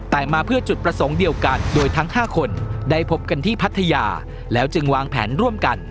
แต่มาเพื่อจุดประสงค์เดียวกันโดยทั้ง๕คนได้พบกันที่พัทยาแล้วจึงวางแผนร่วมกัน